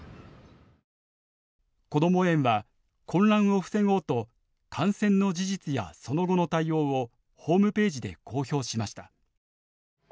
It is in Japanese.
こども園は混乱を防ごうと感染の事実やその後の対応をホームページで公表しました。